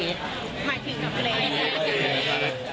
หมายถึงกับเรน